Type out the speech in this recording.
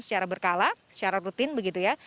secara berkala secara rutin begitu ya